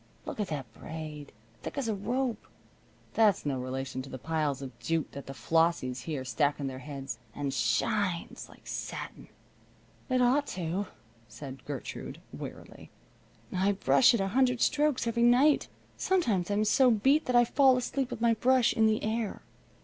Look at that braid! Thick as a rope! That's no relation to the piles of jute that the Flossies here stack on their heads. And shines! Like satin." "It ought to," said Gertrude, wearily. "I brush it a hundred strokes every night. Sometimes I'm so beat that I fall asleep with my brush in the air.